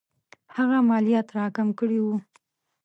هغه مالیات را کم کړي وو.